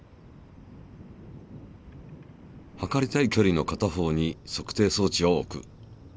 測りたいきょりの片方に測定装置を置く。